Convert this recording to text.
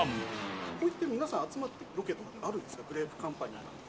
こうやって皆さん、集まってロケとかあるんですか、グレープカンパニーって。